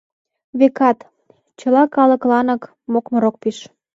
Векат, чыла калыкланак мокмыр ок пиж.